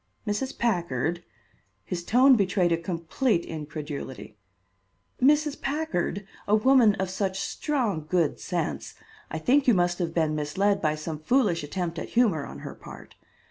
"Mrs. Packard?" His tone betrayed a complete incredulity. "Mrs. Packard? a woman of such strong good sense! I think you must have been misled by some foolish attempt at humor on her part.